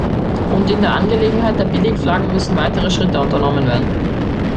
Und in der Angelegenheit der Billigflaggen müssen weitere Schritte unternommen werden.